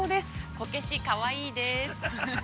こけし、かわいいです。